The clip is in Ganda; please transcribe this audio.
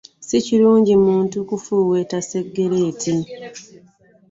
Sikirungi muzadde kufuuweta segereti.